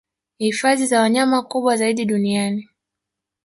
Hifadhi za wanyama kubwa zaidi duniani